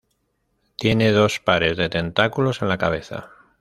Tienen dos pares de tentáculos en la cabeza.